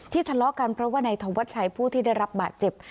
ทะเลาะกันเพราะว่านายธวัชชัยผู้ที่ได้รับบาดเจ็บ